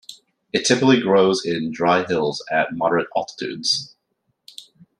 It typically grows in dry hills at moderate altitudes.